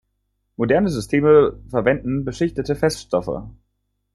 Moderne Systeme verwenden beschichtete Feststoffe.